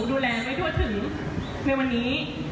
ดูแลไม่ทั่วถึงในวันนี้